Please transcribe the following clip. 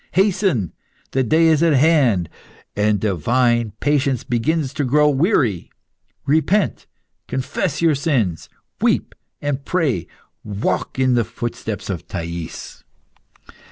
Hasten! the day is at hand, and divine patience begins to grow weary. Repent, confess your sins, weep and pray. Walk in the footsteps of Thais.